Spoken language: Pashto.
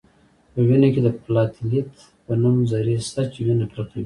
په وینه کې د پلاتیلیت په نوم ذرې شته چې وینه کلکوي